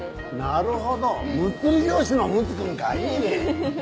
なるほどむっつり上司のむつ君かいいねぇ！